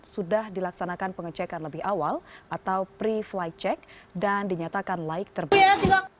sudah dilaksanakan pengecekan lebih awal atau pre flight check dan dinyatakan laik terbit